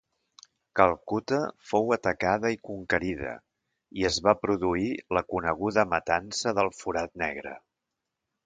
Calcuta fou atacada i conquerida i es va produir la coneguda matança del Forat Negre.